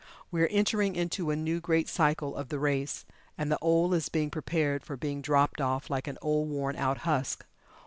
We are entering into a new Great Cycle of the race, and the old is being prepared for being dropped off like an old worn out husk.